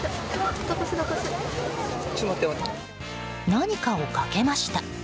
何かをかけました。